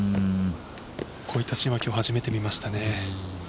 こういったシーンは今日、初めて見ましたね。